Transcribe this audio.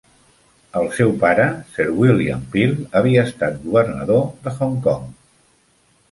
El seu pare, Sir William Peel, havia estat governador de Hong Kong.